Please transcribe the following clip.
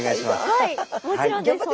はいもちろんです。